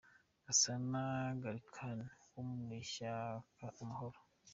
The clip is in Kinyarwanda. Gasana Gallican wo mu Ishyaka Amahoro .